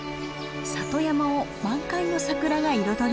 里山を満開のサクラが彩ります。